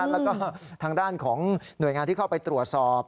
แล้วก็ทางด้านของหน่วยงานที่เข้าไปตรวจสอบ